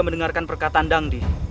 mendengarkan perkataan dangdi